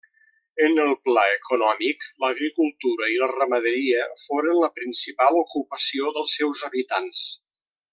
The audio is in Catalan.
En el pla econòmic, l'agricultura i la ramaderia foren la principal ocupació dels seus habitants.